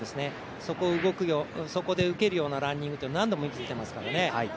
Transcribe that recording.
そこで受けるようなランニングというのを何度もみせていますからね。